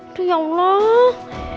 aduh ya allah